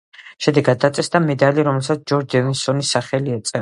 შედეგად დაწესდა მედალი, რომელსაც ჯორჯ დევიდსონის სახელი ეწოდა.